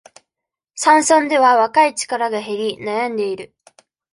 山村では、若い力が減り、悩んでいる。